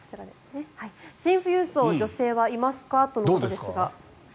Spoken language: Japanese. シン富裕層、女性はいますかということですが。